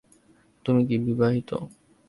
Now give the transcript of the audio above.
তুমি কি বিবাহিত?